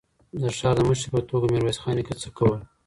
د ښار د مشر په توګه ميرويس خان نيکه څه کول؟